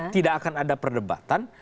tidak akan ada perdebatan